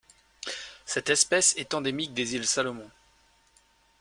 Cette espèce est endémique des îles Salomon.